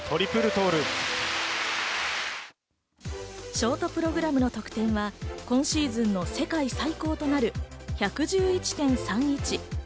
ショートプログラムの得点は今シーズンの世界最高となる、１１１．３１。